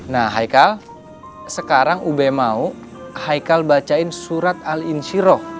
nah haikal sekarang ub mau haikal bacain surat al insyirroh